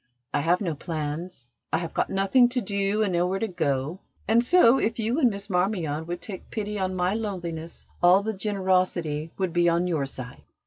I have no plans, I have got nothing to do and nowhere to go; and so, if you and Miss Marmion would take pity on my loneliness all the generosity would be on your side.